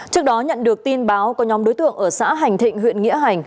trước đó nhận được tin báo có nhóm đối tượng ở xã hành thịnh huyện nghĩa hành